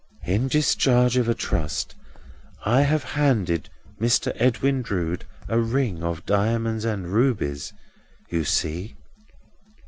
"In discharge of a trust, I have handed Mr. Edwin Drood a ring of diamonds and rubies. You see?"